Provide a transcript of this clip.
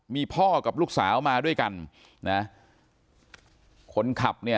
มีพ่อกับลูกสาวมาด้วยกันนะคนขับเนี่ย